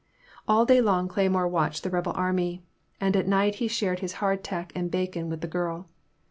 All day long Cleymore watched the rebel army, and at night he shared his hard tack and bacon with the girl.